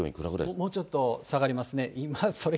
もうちょっと下がりますね。